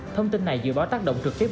thông tin này dự báo tác động trực tiếp